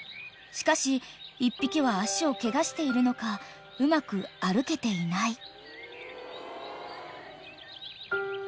［しかし１匹は足をケガしているのかうまく歩けていない］